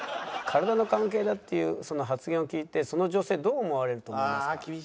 「体の関係だっていうその発言を聞いてその女性どう思われると思いますか？」。